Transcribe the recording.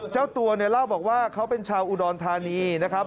เจ้าตัวเนี่ยเล่าบอกว่าเขาเป็นชาวอุดรธานีนะครับ